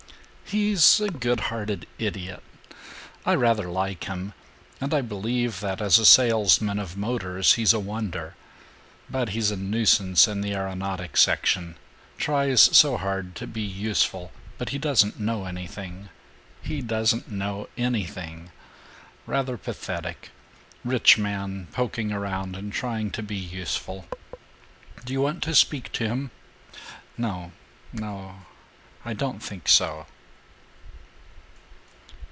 "He's a good hearted idiot. I rather like him, and I believe that as a salesman of motors he's a wonder. But he's a nuisance in the aeronautic section. Tries so hard to be useful but he doesn't know anything he doesn't know anything. Rather pathetic: rich man poking around and trying to be useful. Do you want to speak to him?" "No no I don't think so."